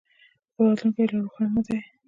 خو راتلونکی یې لا روښانه دی.